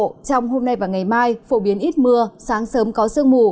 trong hôm nay và ngày mai phổ biến ít mưa sáng sớm có sương mù